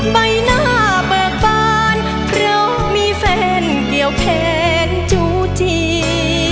ใบหน้าเบิกบานเพราะมีแฟนเกี่ยวแขนจูที